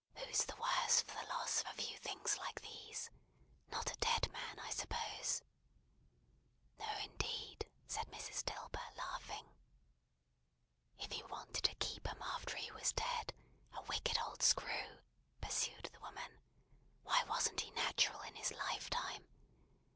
Who's the worse for the loss of a few things like these? Not a dead man, I suppose." "No, indeed," said Mrs. Dilber, laughing. "If he wanted to keep 'em after he was dead, a wicked old screw," pursued the woman, "why wasn't he natural in his lifetime?